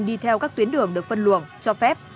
đi theo các tuyến đường được phân luồng cho phép